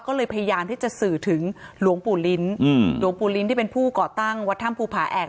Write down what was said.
ก็เลยพยายามที่จะสื่อถึงหลวงปู่ลิ้นหลวงปู่ลิ้นที่เป็นผู้ก่อตั้งวัดถ้ำภูผาแอก